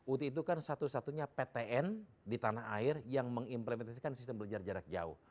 ut itu kan satu satunya ptn di tanah air yang mengimplementasikan sistem belajar jarak jauh